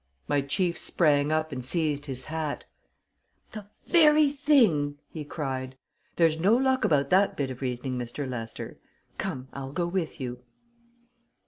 My chief sprang up and seized his hat. "The very thing!" he cried. "There's no luck about that bit of reasoning, Mr. Lester. Come, I'll go with you."